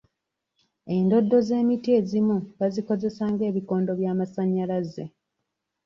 Endoddo z'emiti ezimu bazikozesa ng'ebikondo by'amasannyalaze.